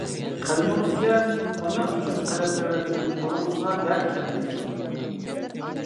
قەلىمىڭىزگە، ئانا ئۈچۈن قەلەم تەۋرەتكەن قولىڭىزغا دەرد كەلمىسۇن!